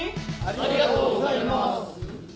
ありがとうございます？